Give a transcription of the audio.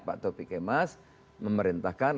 pak topi kemas memerintahkan